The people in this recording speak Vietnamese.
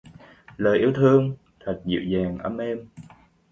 Lời yêu thương...thật dịu dàng ấm êm.